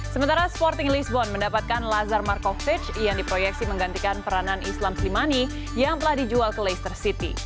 sementara sporting lisbon mendapatkan lazar marcovidge yang diproyeksi menggantikan peranan islam slimani yang telah dijual ke leicester city